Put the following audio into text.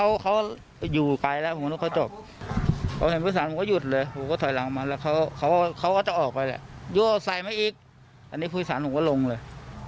อันนี้พูดสาธารณ์ผมก็ลงเลย